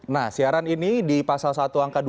nah siaran ini di pasal satu angka dua